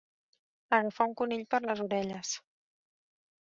Agafar un conill per les orelles.